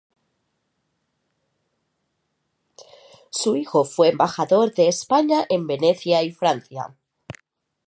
Su hijo fue embajador de España en Venecia y Francia.